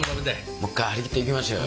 もう一回張り切っていきましょうよ。